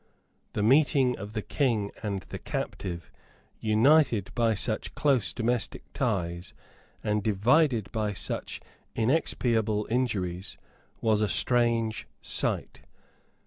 The meeting of the King and the captive, united by such close domestic ties, and divided by such inexpiable injuries, was a strange sight.